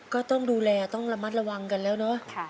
ก็ต้องดูแลต้องระมัดระวังกันแล้วเนอะ